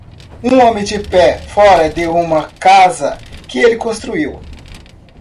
um homem de pé fora de uma casa que ele construiu